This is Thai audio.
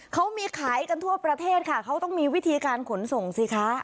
เขามีขายกันทั่วประเทศค่ะเขาต้องมีวิธีการขนส่งสิคะ